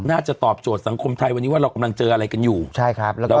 ตอบโจทย์สังคมไทยวันนี้ว่าเรากำลังเจออะไรกันอยู่ใช่ครับแล้วก็